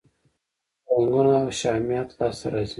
دلته رنګونه او شهمیات لاسته راځي.